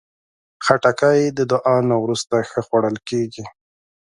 خټکی د دعا نه وروسته ښه خوړل کېږي.